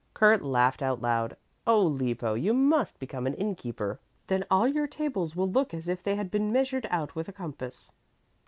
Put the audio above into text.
Kurt laughed out loud, "Oh, Lippo, you must become an inn keeper, then all your tables will look as if they had been measured out with a compass."